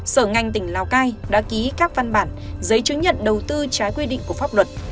sở ngành tỉnh lào cai đã ký các văn bản giấy chứng nhận đầu tư trái quy định của pháp luật